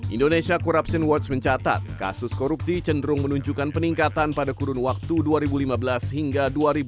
indonesia corruption watch mencatat kasus korupsi cenderung menunjukkan peningkatan pada kurun waktu dua ribu lima belas hingga dua ribu dua puluh